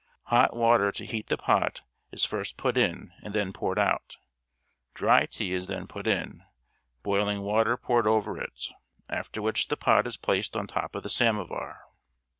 Hot water to heat the pot is first put in and then poured out; dry tea is then put in, boiling water poured over it; after which the pot is placed on top of the samovar.